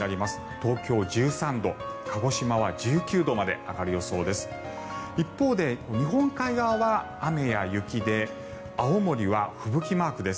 東京、１３度鹿児島は１９度まで上がる予想です。